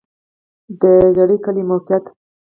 د ژرۍ کلی موقعیت